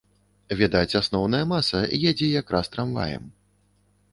Відаць, асноўная маса едзе якраз трамваем.